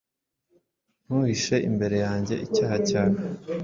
Ntuhishe imbere yanjye icyaha cyawe,